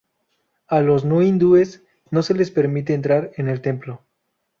A los no hindúes no se les permite entrar en el templo.